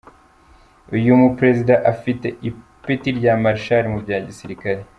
Uyu mu Perezida afite ipeti rya Marshal mu bya gisirikare.